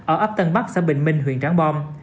ở ấp tân bắc xã bình minh huyện trắng bom